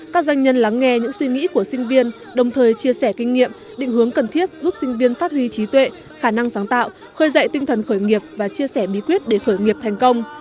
các doanh nhân lắng nghe những suy nghĩ của sinh viên đồng thời chia sẻ kinh nghiệm định hướng cần thiết giúp sinh viên phát huy trí tuệ khả năng sáng tạo khơi dậy tinh thần khởi nghiệp và chia sẻ bí quyết để khởi nghiệp thành công